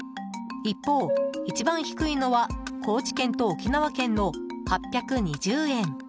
一方、一番低いのは高知県と沖縄県の８２０円。